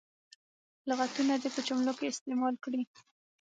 لغتونه دې په جملو کې استعمال کړي.